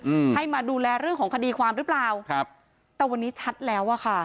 อืมให้มาดูแลเรื่องของคดีความหรือเปล่าครับแต่วันนี้ชัดแล้วอ่ะค่ะ